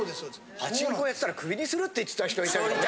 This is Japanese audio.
「パチンコやってたらクビにする」って言ってた人いたよね？